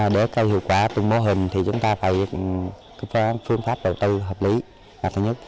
để có hiệu quả từ mô hình thì chúng ta phải có phương pháp đầu tư hợp lý là thứ nhất